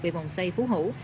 về vòng xây phú hữu